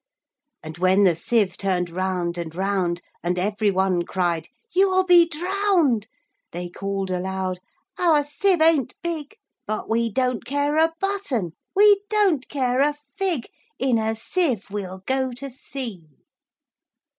And when the sieve turn'd round and round, And every one cried, "You 'll be drown'd!"They call'd aloud, "Our sieve ain't big:But we don't care a button; we don't care a fig:In a sieve we 'll go to sea!"